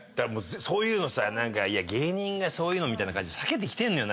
そういうのさ芸人がそういうのみたいな感じ避けてきてんのよ。